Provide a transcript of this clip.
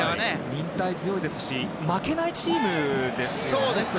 忍耐強いですし負けないチームですよね